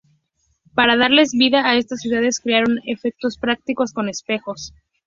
Para darles vida a estas ciudades crearon efectos prácticos con espejos.